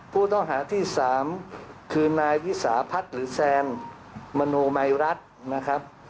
ผู้ต้องหาที่๓คือนายวิสาพัฒน์หรือแซนมโนมัยรัฐนะครับ